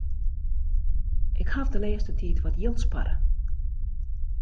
Ik haw de lêste tiid wat jild sparre.